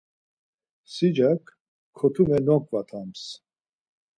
Sicak kotumes noǩvatams.